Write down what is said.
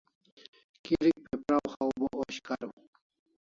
Kirik pe praw haw, bo osh kariu